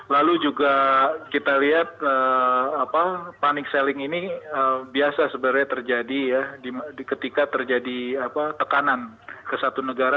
lalu juga kita lihat panik selling ini biasa sebenarnya terjadi ya ketika terjadi tekanan ke satu negara